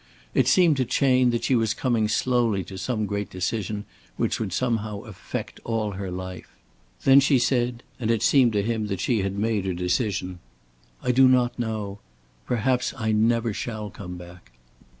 It seemed to Chayne that she was coming slowly to some great decision which would somehow affect all her life. Then she said and it seemed to him that she had made her decision: "I do not know. Perhaps I never shall come back."